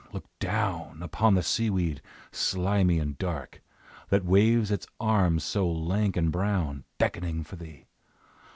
Look down! Upon the seaweed, slimy and dark, That waves its arms so lank and brown, Beckoning for thee!